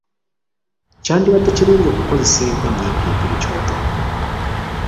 Kyandibadde kirungi okukozesa enku ennyimpimpi mu kyoto.